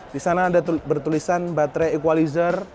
disana ada bertulisan baterai equalizer